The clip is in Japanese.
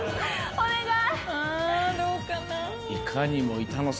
お願い！